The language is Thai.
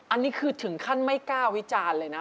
อันนี้คือถึงขั้นไม่กล้าวิจารณ์เลยนะ